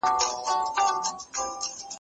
موږ به ژر مرسته وکړو.